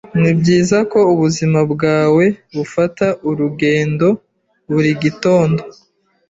Nibyiza ko ubuzima bwawe bufata urugendo buri gitondo.